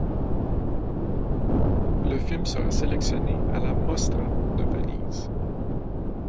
Le film sera sélectionné à la Mostra de Venise.